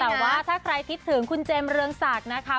แต่ว่าถ้าใครคิดถึงคุณเจมส์เรืองศักดิ์นะคะ